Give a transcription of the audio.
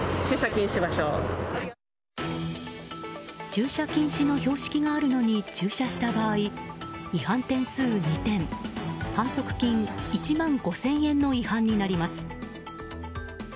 駐車禁止の標識があるのに駐車した場合、違反点数２点反則金１万５０００円の違反になります。